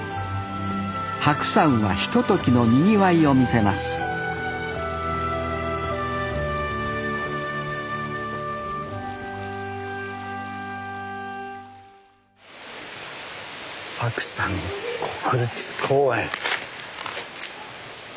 白山はひとときのにぎわいを見せます白山国立公園。